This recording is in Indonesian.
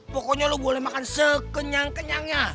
pokoknya lo boleh makan sekenyang kenyangnya